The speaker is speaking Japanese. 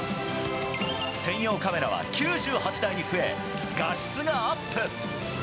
専用カメラは９８台に増え、画質がアップ。